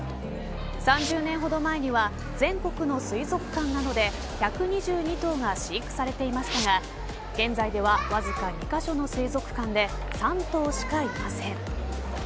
３０年ほど前には全国の水族館などで１２２頭が飼育されていましたが現在ではわずか２カ所の水族館で３頭しかいません。